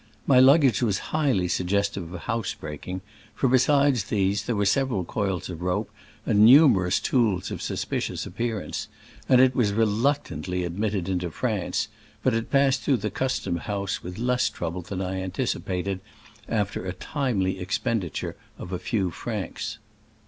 My luggage was high ly suggestive of housebreaking, for, be sides these, there were several coils of rope and numerous tools of suspicious appearance ; and it was reluctantly ad mitted into France, but it passed through the custom house with less trouble than I anticipated, after a timely expenditure of a few francs.